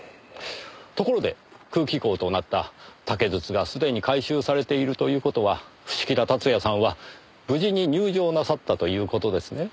ところで空気孔となった竹筒がすでに回収されているという事は伏木田辰也さんは無事に入定なさったという事ですね。